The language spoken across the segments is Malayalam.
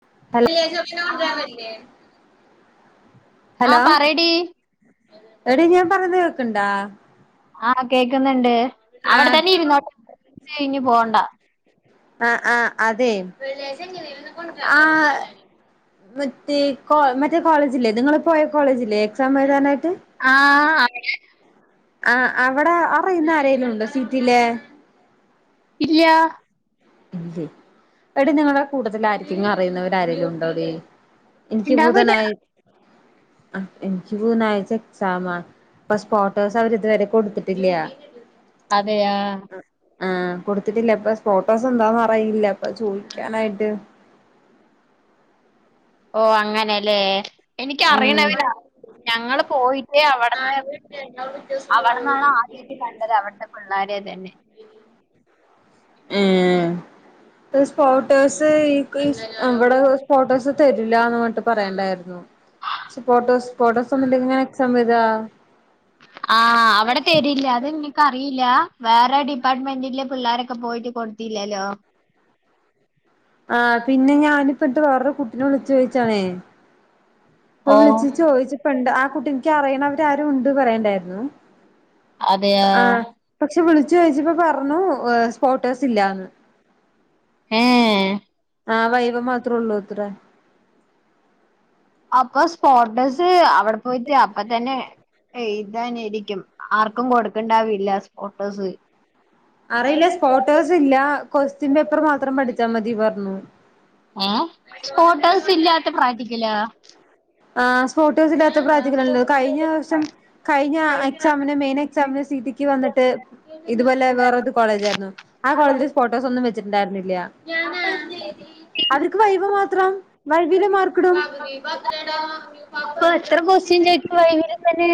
[inaudible] ആ ഹലോ പറയടി എടി ഞാൻ പറഞ്ഞത് കേക്ക്ണ്ടോ ആ കേക്ക്ന്ന്ണ്ട് ആ അവടെത്തെന്നെ ഇരുന്നോ [unintelligible] കയ്ഞ് പോണ്ട ആ ആ അതെ ആ വിത്തീക്കോൾ മറ്റേ കോളേജില്ലേ നിങ്ങള് പോയ കോളേജില്ലേ എക്സാമെഴുതാനായിട്ട് ആ അവിടെ ആ അവടെ അറിയുന്ന ആരേലും ഉണ്ടോ സിറ്റിലെ ഇല്ല ഇല്ല എടി നിങ്ങളെ കൂട്ടത്തില് ആരെ [unintelligible] അറിയുന്നവരാരേലുംണ്ടോടി ൻക്ക് ഉണ്ടാവൂല ബുധനായ് ആ എനിക്ക് ബുധനായ്ച എക്സാമ പശ് പോ അവര് ത് വരെ കൊട്ത്ത്ട്ടില്ല അതെയാ ആ കൊടുത്തിട്ടില്ല ഇപ്പൊ സ്‌ഫോട്ടോസെന്താന്ന് അറിയില്ല അപ്പൊ ചോയ്ക്കാനായിട്ട് ഓ അങ്ങനെല്ലേ ഉം എനിക്കറിയണവരാ ഞങ്ങള് പോയിട്ട് അവടെന്ന് അവടെന്നാണോ ആദ്യം കണ്ടത് അവട്ന്ന് പിള്ളാരുതെന്നെ ഏ സ്പോട്ടോസ് ഈ ഇവിടെ സ്പോട്ടോസ് തരില്ലന്ന്ർഞ്ട്ട് പറയണ്ടായിരുന്നു ക്ഷേ ഫോട്ടോസ് ഫോട്ടോസൊല്ലെങ്കി ങ്ങനെ എക്സാമെയ്ത ആ അവടെ തേ ഇല്ലാതെങ്‌നെ ക്കറില്ല വേറെ ഡിപ്പാർട്ട്മെന്റിലെ പിള്ളാരൊക്കെ പോയിട്ട് കൊട്ത്തില്ലല്ലോ ആ പിന്നെ ഞാനിപ്പിൻട്ട് വേറെ കുട്ടിനെ വിളിച്ച് ചോയ്ച്ചാണേ ഇപ്പ ഓ വിളിച്ചി ചോയ്ച്ചപ്പണ്ട് ആ കുട്ടിക്ക് അറിയണവരാരോ ണ്ട് പറയ്ണ്ടായിരുന്നു അതെയാ ആ പക്ഷെ വിളിച്ചു ചോയ്ച്ചപ്പ പറഞ്ഞു സ്പോട്ടോസ് ല്ലന്ന് ഏ ആ വൈവെ മാത്രേ ള്ളൂ ത്രെ അപ്പൊ സ്പോട്ടസ് അവടെ പോയിട്ട് അപ്പത്തെന്നെ എയ്താനേരിക്കും ആർക്കും കൊടുക്കണ്ടാവില്ല സ്പോട്ടോസ് അറിയില്ല സ്പോട്ടോസ് ഇല്ല കൊസ്റ്റ്യൻ പേപ്പർ മാത്രം പഠിച്ചാ മതി പർഞ്ഞു ഏ സ്പോട്ടേസില്ലാത്ത പ്രാക്റ്റിക്കലോ ആ സ്പോട്ടോസ് ല്ലാത്ത പ്രാക്റ്റിക്കലാണല്ലോത് കയ്ഞ്ഞ വർഷം കഴിഞ്ഞ എക്സാമിന് മെയിൻ എക്സാമിന് സീറ്റിക്ക് വന്നിട്ട് ഇതുപോലെ വേറൊതു കോളേജാര്ന്നു ആ കോളേജ്ലെ സ്പോ ട്ടോസൊന്നും വെച്ച്ട്ട്ണ്ടായ്ര്ന്നില്ല അത്ക്ക്‌ വൈവ മാത്രം വൈവെല് മാ ക്ക്‌ടും അപ്പൊ എത്ര ക്വസ്റ്റ്യൻ ചോദിക്കും വൈവില് തന്നെ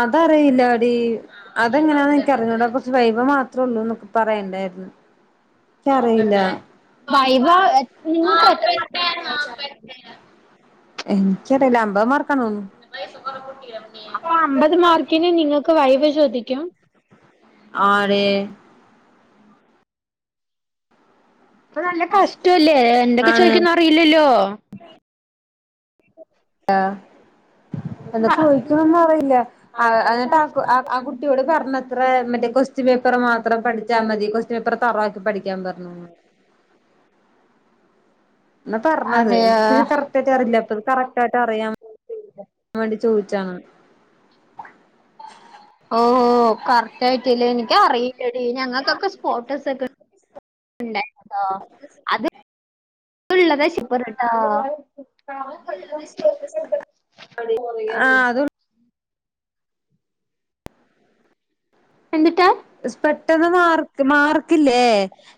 അതറിയില്ല ടി അതെങ്ങനാന്ന് എനിക്കറിഞ്ഞൂട പ വൈവ മാത്രേ ള്ളൂന്ന്ക്കെ പറയ്ണ്ടായിരുന്നു ക്കറില്ല വൈവ നിങ്ങൾക്ക് എത്ര എൻക്കറില്ല അമ്പത് മാർക്കാ തോന്നുന്നു അപ്പൊ അമ്പത് മാർക്കിന് നിങ്ങക്ക് വൈവെ ചോദിക്കും ആ ടി പ്പൊ നല്ല കഷ്ടല്ലേ എന്തൊക്കെ ആണ് ചോദിക്കുന്നറില്ലല്ലോ ആഹ്. എന്താ ചോദിക്കണന്നറിയില്ല. ആ ആ [unintelligible] എന്നിട്ട് ആ ആ കുട്ടിയോട് പർഞ്ഞത്രേ മറ്റേ കൊസ് സ്റ്റൻ പേപ്പറ് മാത്രം പഠിച്ചാ മതി. കൊസ്റ്റൻ പേപ്പർ തറയ്ട്ട് പഠിയ്ക്കാൻ പറഞ്ഞുന്ന് [unintelligible] ന്നാ പർഞ്ഞത്. എ അതെയോ [unintelligible] റില്ലാത്തത് കറക്ടായിട്ട് അറിയാവേണ്ടി ചോയിച്ചാണ്. ഓഹോ, കറക്ടായിട്ടില്ലേ നിയ്ക്കറീ എടീ ഞങ്ങക്കൊക്കെ സ്പോട്ടസക്കെ ണ്ടായി ട്ടോ അത് ഉ [unintelligible] ശൂപ്പറാട്ടോ അടീക്ക് പോന്നേയ്ക്കാര്ന്ന് ആഹ് അത് എന്തുട്ടാ? സ് പെട്ടെന്ന് മാർ മാർക്ക്ല്ലേ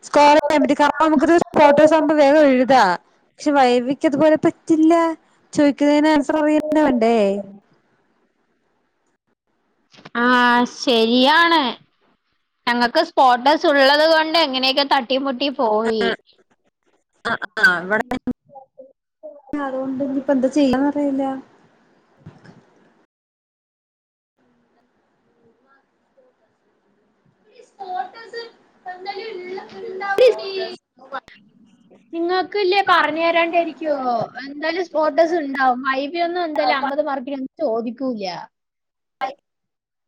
സ്കോർ യ്യാൻ പറ്റി. കാ [unintelligible] ണം നമുക്ക് [unintelligible] ഫോട്ടോസാവുമ്പം വേഗം എഴുതാ. ഷെ വൈവിയ്ക്കതുപോലെ പറ്റില്ലാ. ചോദിക്കുന്നേനാൻസറ് പറിയെന്നെ വേണ്ടേ. ആഹ് ശെരിയാണ്. ഞങ്ങക്ക് സ്പോട്ടസുള്ളതു കൊണ്ട് എങ്ങനെയൊക്കെ തട്ടി മുട്ടി പോയി. ആഹ് [unintelligible] അതോണ്ട് ഞിപ്പന്താ ചെയ്യാന്നറിയില്ല. [unintelligible] നിങ്ങക്ക്ല്ല്യേ പറഞ്ഞരാണ്ടെരിക്ക്യോ? അന്തായാലും സ്പോർട്ടസ്ണ്ടാവും. വൈവി ഒന്നു ന്താലും അമ്പത് മാർക്കി [unintelligible] ചോദിക്കൂല്ല്യ. ആയി.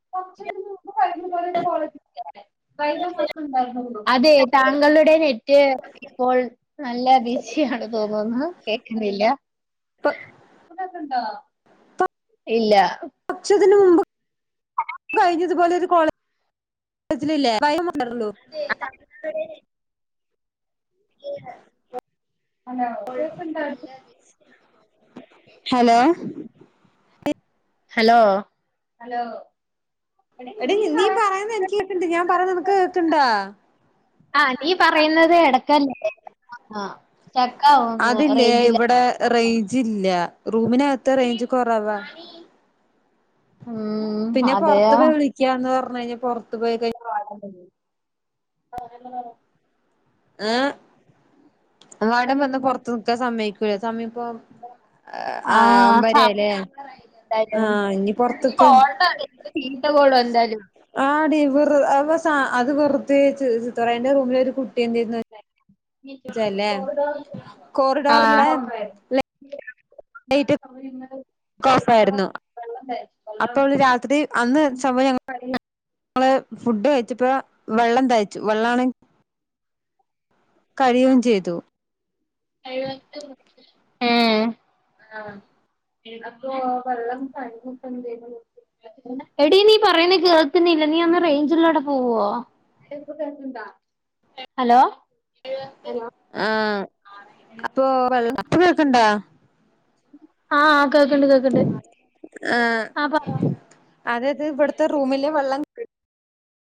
[unintelligible] അതേ താങ്കളുടെ നെറ്റ് ഇപ്പോൾ നല്ല ബിസിയാണ് തോന്നുന്ന് കേക്ക്ന്നില്ല്യ. പ്പ പ്പ കേക്ക്ണ്ടോ? ഇല്ലാ. പക്ഷതിന് മുമ്പ് ഇത്പോലെ ഒരു കോളേജിലില്ലേ [unintelligible] [unintelligible] ഹലോ, കേക്ക്ണ്ടാട് [unintelligible] ഹലോ? Hello, hello? എടീ നി നീ പറയ്ന്നെനിയ്ക്ക് കേക്ക്ണ്ട്. ഞാൻ പറയണ നിക്ക് കേക്ക്ണ്ടാ? ആഹ്, നീ പറയുന്നത് എടക്കല്ലേ കേ [unintelligible] അതില്ലേ റേഞ്ചില് ഇവടെ റെയ്ഞ്ച്ല്ല്യ റൂമിനകത്ത് റേഞ്ച് കൊറവാ. ഉം പിന്നെ അതെയോ പൊർത്ത് പോയി വിളിക്കാന്ന് പർഞ്ഞ് കഴിഞ്ഞാ പോർത്ത് പോയി [unintelligible] ആഹ്. വാടൻ വന്ന് പൊർത്തു നിക്കാൻ സമ്മയ്ക്കൂല. സമയപ്പം ആഹ്, ഒമ്പെരായിലേ സംസാരം ആഹ്, ഇഞ്ഞി പൊർത്ത്ക്ക് ചീത്ത കോളും എന്തായാലും ആടി വെർ [unintelligible] അ അത് വെർതെ ചീത്ത പറയാ ന്റെ റൂമിലെ ഒരു കുട്ടി എന്തേര്ന്ന് കോറിഡോറിലെ ആഹ്. [unintelligible] റ്റ്‌ ഒരിങ്ങല് ക്കോഫായ്രുന്നു. അപ്പവള് രാത്രി അന്ന് സംഭവം ഞങ്ങ ങ്ങള് ഫുഡ് കഴിച്ചപ്പോ വെള്ളം തയ്ച്ചു. വെള്ളാണേ കഴിയും ചെയ്തൂ. മ് ആഹ് വെള്ളം [unintelligible] എടീ നീ പറയുന്ന കേൾക്ക്ന്നില്ല നീ ഒന്ന് റേഞ്ച്ള്ളാടെ പോവോ ഹലോ ആഹ് അപ്പൊ വെള്ളം ഇപ്പൊ കേക്ക്ണ്ടോ ആഹ് കേക്ക്ണ്ട് കേക്ക്ണ്ട് ആഹ് അതെത് ഇവിടുത്തെ റൂമിലെ വെള്ളം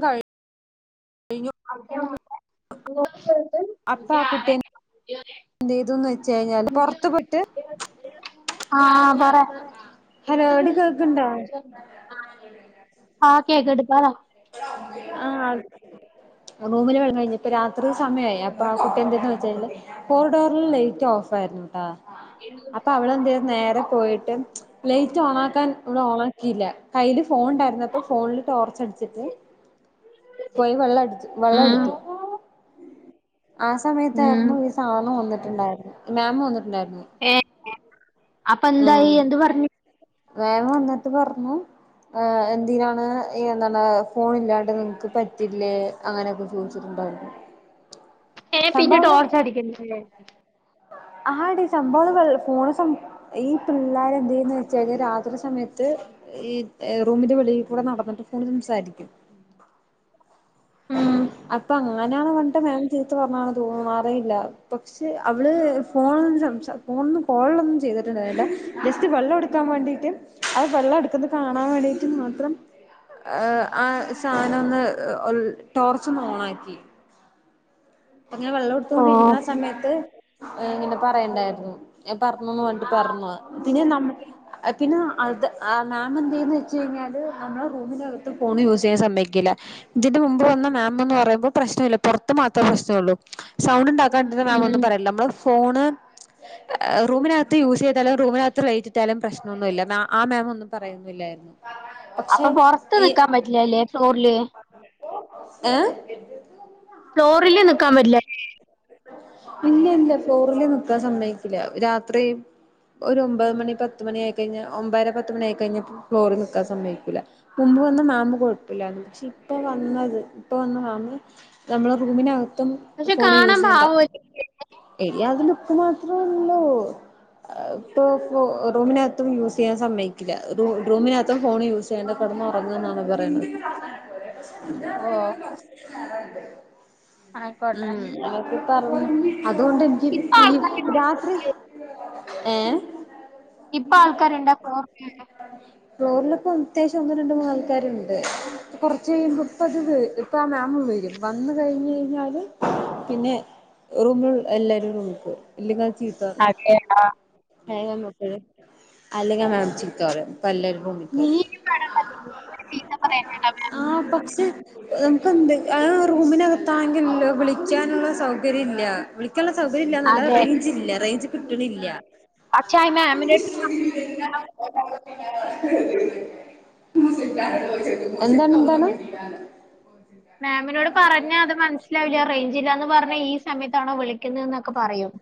കഴിഞ്ഞു അ [inaudible] അപ്പ ആ കുട്ടിയേന്ത് ചെയ്തുന്ന് വെച്ച് കഴിഞ്ഞാല് പൊറത്ത് പോയിട്ട് ആഹ് പറ ഹലോ എടീ കേക്ക്ണ്ടോ ആഹ് കേക്ക്ണ്ട് പറ ആഹ് റൂമില് വെള്ള കഴിഞ്ഞ് ഇപ്പ രാത്രി സമയമായി അപ്പ ആ കുട്ടി എന്തന്ന് വെച്ചാല് കോർഡോറിൽ ലൈറ്റ് ഓഫ് ആയിരുന്നുട്ടാ അപ്പൊ അവൾ എന്ത നേരെ പോയിട്ട് ലൈറ്റ് ഓൺ ആക്കാൻ ഓൺ ആക്കിയില്ല കയ്ൽ ഫോൺ ഉണ്ടായിരുന്നപ്പോ ഫോണിൽ ടോർച്ച് അടിച്ചിട്ട് പോയി വെള്ളം എടു വെള്ളം ഉം എടുത്തു ആ ഉം സമയത്തായിരുന്നു സാധനം വന്നിട്ടുണ്ടായിരുന്നു മാം വന്നിട്ടുണ്ടായിരുന്നു ഏഹ് അപ്പൊ എന്തായി ആഹ് എന്ത് പറഞ്ഞു മാം വന്നിട്ട് പറഞ്ഞു എന്തിനാണ് എന്താണ് ഫോൺ ഇല്ലാണ്ട് നിങ്ങക്ക് പറ്റില്ലേ അങ്ങനെയൊക്കെ ചോദിച്ചിട്ടുണ്ടായിരുന്നു ഏ പിന്നെ ടോർച്ച അടിക്കുന്നുേ ആ ഡീ സംഭവ ഫോണ് ഈ പിള്ളേർ എന്ത്ന്ന് വെച്ചാല് രാത്രി സമയത്ത് ഈ റൂമിന്റെ വെളിൽ കൂടെ നടന്നിട്ട് ഫോണ് സംസാരിക്കും ഉം അപ്പൊ അങ്ങനാണ് വന്നിട്ട് മാം തീർത്ത് പറഞ്ഞ തോന്നാറയില്ല പക്ഷെ അവള് ഫോണിൽ നിന്ന് സം ഫോണിൽ നിന്നും കോളിലൊന്നും ചെയ്തിട്ടുണ്ടായിരില്ല ജസ്റ്റ് വെള്ളം എടുക്കാൻ വേണ്ടിയിട്ട് അത് വെള്ളം എടുക്കന്ന് കാണാൻ വേണ്ടിക്കും മാത്രം ആ സാധനം ഒന്ന് ടോർച്ച് ഒന്ന് ഓണാക്കി അങ്ങനെ വെള്ളം ഓ എടുത്തുകൊണ്ടിരിക്കുന്ന സമയത്ത്ങ്ങെ പറയണ്ടായിരുന്നു ഞൻ പറഞ്ഞുന്ന് വേണ്ടി പറഞ്ഞു പിന്നെ ന പിന്നെ അത് മാം എന്തന്ന് വെച്ച കഴിഞ്ഞാല് നമ്മളെ റൂമിന്റെ അകത്ത് ഫോണ് യൂസ് ചെയ്യാൻ സമ ഇതിന് മുമ്പ് വന്ന മാം എന്ന് പറയുമ്പോൾ പ്രശ്നം ഇല്ല പുറത്ത് മാത്രമേ പ്രശ്നംള്ളൂ സൗണ്ട് ഉണ്ടാക്കാണ്ട മാം ഉം ഒന്നും പറയില്ല നമ്മള് ഫോണ് റൂമിനകത്ത് യൂസ് ചെയ്താലും റൂമിനകത്ത് റേറ്റ് ഇട്ടാലും പ്രശ്നമൊന്നുമില്ല ആ മാം ഒന്നും പറയില്ല യില്ല അപ്പൊ പുറത്ത് നിക്കാൻ പറ്റില്ലല്ലേ ഫ്ലോറില് ഏഹ് ഫ്ലോറില് നിക്കാൻ പറ്റില്ല ഇല്ല ഇല്ല ഫ്ലോറലെ നിക്കാൻ സമ്മയക്കില്ല രാത്രിയും ഒമ്പത് മണി പത്ത് മണിയായി കഴിഞ്ഞ ഒമ്പര പത്ത് മണി ആയി കഴിഞ്ഞ ഫ്ലോറിൽ നിൽക്കാൻ സമ്മതിക്കൂല്ല മുമ്പ് വന്ന മാമ് കുഴപ്പമില്ലായിരുന്നു പക്ഷെ ഇപ്പൊ വന്നത് ഇപ്പൊ വന്ന മാമ് നമ്മള റൂമിനകത്തും പക്ഷെ ഫോണ് കാണാൻ യൂസ് ചെയ്യാൻ പാവല്ലേ പറ്റ എടി അത് ലുക്ക്‌ മാത്രഉള്ളു ഇപ്പോ റൂമിനകത്തും യൂസ് ചെയ്യാൻ സമ്മയക്കില്ല റൂമിനകത്തും ഫോൺ യൂസ് ചെയ്യണ്ട കടന്ന് ഉറങ്ങു എന്നാ പറയുന്നേ [inaudible] ഓ ആയിക്കോട്ടെ ഉം അതൊക്കെ പറഞ്ഞു അതുകൊണ്ട് എനിക്ക് ഇപ്പൊ ഈ രാത്രി ആൾക്കാരുണ്ട് ഏഹ് ഇപ്പൊ ആൾക്കാര്ണ്ടാ [unintelligible] ഫ്ലോറിൽ ഇപ്പം അത്യാവശ്യം ഒന്ന് രണ്ട് മൂന്ന് ആൾക്കാരുണ്ട് കൊറച്ച് കഴിയുമ്പോ ഇപ്പത് വ് ഇപ്പാ മാമ് വെരും വന്ന് കഴിഞ്ഞ് കഴിഞ്ഞാല് പിന്നെ റൂമിലിൾ എല്ലാരേം ഇങ്ങ് വിളിക്കും ഇല്ലെങ്ക് അത് ചീത്ത പറയും അതെ ആ [unintelligible] അല്ലെങ്ക് ആ മാം ചീത്ത പറയും അപ്പ എല്ലരിക്കും വിളിക്കും നീ ആ ചീത്ത [unintelligible] മാം ആഹ് കൊറച്ച് നമുക്ക് എന്ത് അത് റൂമിനകത്താണെങ്കിൽ വിളിക്കാനുള്ള സൗ സൗകര്യ ഇല്ല വിളിക്കാനുള്ള സൗകര്യം ഇല്ലാന്നല്ല അതെ റേഞ്ച് ഇല്ല റേഞ്ച് കിട്ടണില്ല പക്ഷെ ആ മാമിന്റെ ഷ അടുത്ത് എന്താണ് എന്താണ് മാമിനോട് പറഞ്ഞാ അത് മനസ്സിലാവില്ല റേഞ്ച് ഇല്ലാന്ന് പർ നെ ഈ സമയത്താണോ വിളിക്കുന്നെന്നൊക്കെ പറയും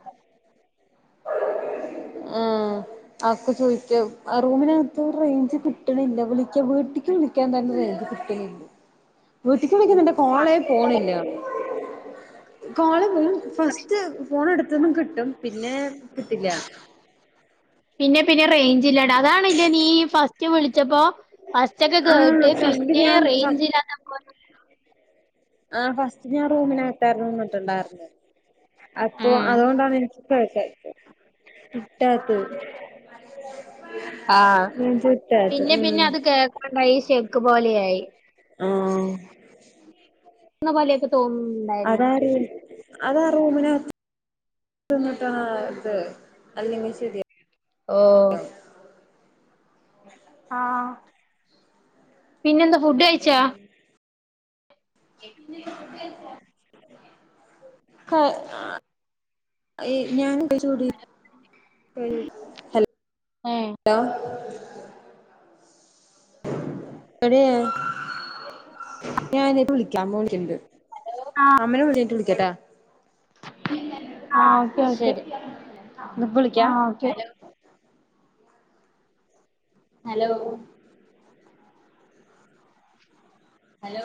ഉം ആക്കെ ചോയിക്കാവും ആഹ് റൂമിനകത്ത് റേഞ്ച് കിട്ട് കിട്ടണില്ല വിളിക്കാ വീട്ടിക്ക് വിളിക്കാൻ തന്നെ റേഞ്ച് കിട്ടണില്ല വീട്ടിക്ക് വളിക്കുന്നുണ്ട് കോളെ പോണില്ല കോള് വ് ഫസ്റ്റ് ഫോൺ എടുത്തന്നും കിട്ടും പിന്നെ [inaudible] പിന്നെ പിന്നെ റേഞ്ച് ഇല്ലാണ്ട് അതാണ് ല്ലേ നീ ഫസ്റ്റ് വിളിച്ചപ്പോ പസ്റ്റൊക്കെ ആഹ് കേട്ട് ഫസ്റ്റ് പിന്നെ ഞാൻ റേഞ്ച് ഇല്ലാ ആഹ് ഫസ്റ്റ് ഞാൻ റൂമിനകത്താരുന്നു നിന്നിട്ടണ്ടായിരുന്നെ അപ്പൊ ഉം അതുകൊണ്ടാണ് എനിക്ക് [unintelligible] കിട്ടാത്ത് ആഹ് റൂം കിട്ടാത്ത് പിന്നെ ഉം പിന്നെ അത് കേൾക്കാണ്ടായി ഷെക്ക് പോലെയായി ആഹ് [unintelligible] അതാരേല് അതാ റൂമിനാ നിന്നിട്ടാ ഇത് അല്ലെങ്കിൽ ശരി ഓഹ് ആഹ് ആഹ് പിന്നെ എന്താ ഫുഡ് കഴിച്ചോ? ക ആഹ് ഏയ് ഞാൻ [unintelligible] ഹലോ ഏഹ് [unintelligible] എടിയെ ഞാൻ [unintelligible] അമ്മ വിളിക്ക്ണ്ട് അമ്മേൻ്റെ വിളി കഴിഞ്ഞിട്ട് വിളിക്കാട്ടാ ആഹ് ഓക്കെ ഓക്കെ ശരി ഇന്നാ ഇപ്പൊ വിളിക്കാ ആഹ് ഓക്കെ ഹലോ ഹലോ